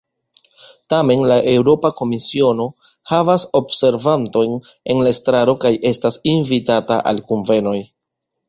Tamen, la Eŭropa Komisiono havas observanton en la estraro kaj estas invitata al kunvenoj.